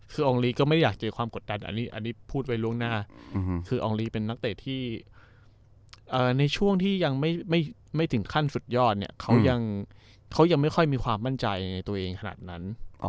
คืออองลีก็ไม่ได้อยากเจอความกดดันอันนี้พูดไว้ล่วงหน้าคืออองลีเป็นนักเตะที่ในช่วงที่ยังไม่ถึงขั้นสุดยอดเนี่ยเขายังไม่ค่อยมีความมั่นใจในตัวเองขนาดนั้น